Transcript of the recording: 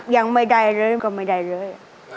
ยังไม่ได้เลยก็ไม่ได้เลย